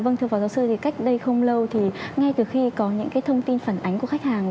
vâng thưa phó giáo sư cách đây không lâu ngay từ khi có những thông tin phản ánh của khách hàng